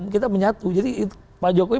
kita menyatu jadi pak jokowi